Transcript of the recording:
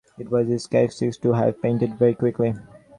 It was his characteristic to have painted very quickly.